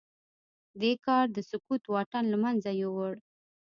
دې کار د سکوت واټن له منځه يووړ.